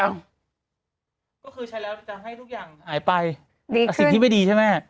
เอ้าก็คือใช้หน้าขาวฉันจะให้ทุกอย่างหายไปดีขึ้นอ่าสิ่งที่ไม่ดีใช่ไหม